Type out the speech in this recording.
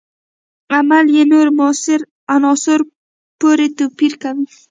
عمل یې نورو موثرو عناصرو پورې توپیر کوي.